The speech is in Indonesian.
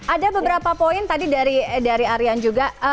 ada beberapa poin tadi dari aryan juga